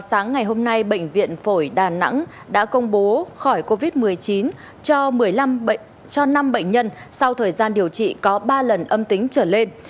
sáng ngày hôm nay bệnh viện phổi đà nẵng đã công bố khỏi covid một mươi chín cho năm bệnh nhân sau thời gian điều trị có ba lần âm tính trở lên